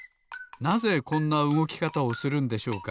なぜこんなうごきかたをするんでしょうか？